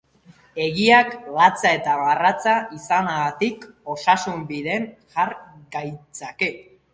Egiak, latza eta garratza izanagatik, osasunbidean jar gaitzake.